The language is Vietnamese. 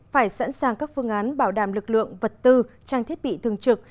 phải sẵn sàng các phương án bảo đảm lực lượng vật tư trang thiết bị thường trực